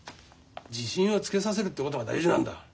自信をつけさせるってことが大事なんだ。